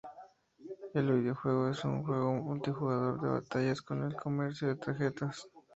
El videojuego es un juego multijugador de batallas con el comercio de tarjetas.